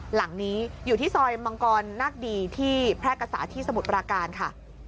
หลังนี้อยู่ที่ซอยมังกรนักดีที่แพร่กษาที่สมุทรปราการค่ะ